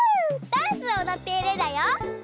ダンスをおどっているんだよ。